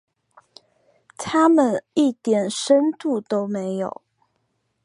他们一点深度都没有。